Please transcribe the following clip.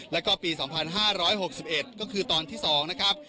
แล้วก็ปี๒๕๖๑ก็คือตอนที่๒นะครับ